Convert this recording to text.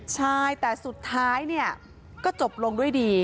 ใช่แต่สุดท้ายเนี่ยก็จบลงด้วยดี